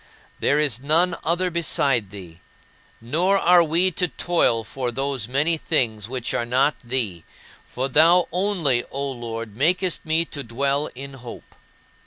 There is none other beside thee, nor are we to toil for those many things which are not thee, for only thou, O Lord, makest me to dwell in hope."